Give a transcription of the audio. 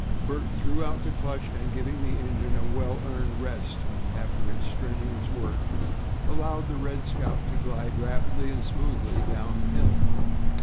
Bert threw out the clutch, and giving the engine a well earned rest after its strenuous work, allowed the "Red Scout" to glide rapidly and smoothly down the hill.